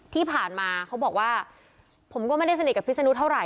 ที่ผ่านมาเขาบอกว่าผมก็ไม่ได้สนิทกับพิษนุเท่าไ